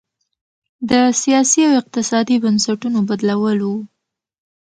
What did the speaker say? د سیاسي او اقتصادي بنسټونو بدلول و.